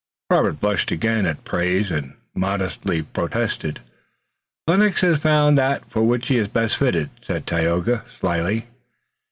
Robert blushed again at praise and modestly protested. "Lennox has found that for which he is best fitted," said Tayoga, slyly.